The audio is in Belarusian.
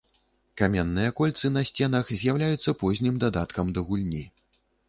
Каменныя кольцы на сценах з'яўляюцца познім дадаткам да гульні.